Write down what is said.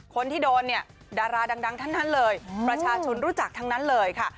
คนที่โดนเนี่ยดาราดังทั้งนั้นเลยประชาชนรู้จักทั้งนั้นเลยค่ะ